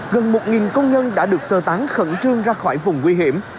gần một công nhân đã được sơ tán khẩn trương ra khỏi vùng nguy hiểm